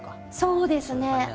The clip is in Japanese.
そうですね。